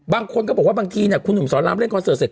บางคนก็บอกว่าบางทีคุณหนุ่มสอนรามเล่นคอนเสิร์ตเสร็จ